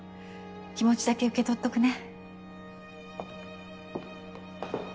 気持ちだけ受け取っとくね。